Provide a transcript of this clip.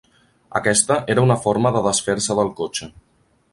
Aquesta era una forma de desfer-se del cotxe.